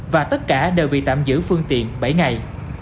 và tất cả đều bị tạm giữ phương tiện bảy ngày